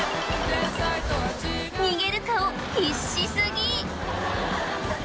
逃げる顔必死すぎ！